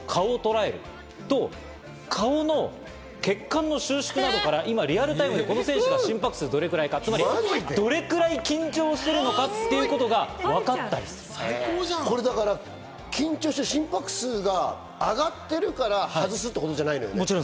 すると、顔の血管の収縮などから今、リアルタイムでこの選手が心拍数がどれぐらいかとか、どれぐらい緊張しているのかということがわ緊張して心拍数が上がってるから外すってことじゃないのよね。